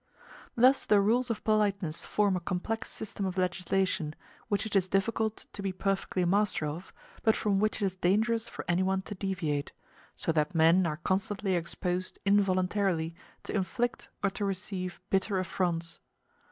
Thus the rules of politeness form a complex system of legislation, which it is difficult to be perfectly master of, but from which it is dangerous for anyone to deviate; so that men are constantly exposed involuntarily to inflict or to receive bitter affronts.